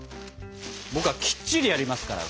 僕はきっちりやりますから。